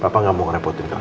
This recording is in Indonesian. papa gak mau ngerepotin kalian